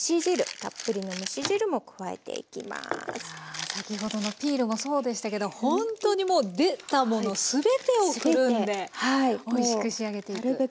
あ先ほどのピールもそうでしたけどほんとにもう出たもの全てをくるんでおいしく仕上げていく。